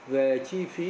về chi phí